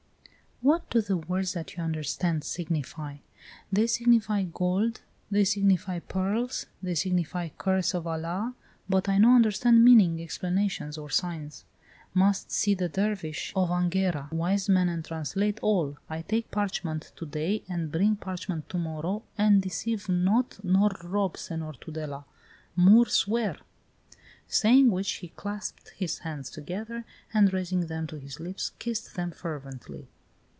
"What do the words that you understand signify?" "They signify GOLD, they signify PEARLS, they signify CURSE OF ALA. But I no understand meaning, explanations, or signs. Must see the Dervish of Anghera wise man and translate all. I take parchment to day and bring parchment to morrow, and deceive not nor rob Senor Tudela. Moor swear." Saying which he clasped his hands together, and, raising them to his lips, kissed them fervently.